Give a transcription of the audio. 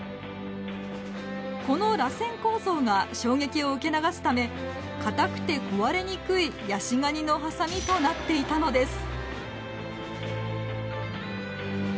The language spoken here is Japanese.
このらせん構造が衝撃を受け流すため硬くて壊れにくいヤシガニのハサミとなっていたのです。